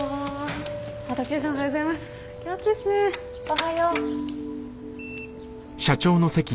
おはよう。